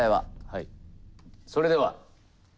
はい。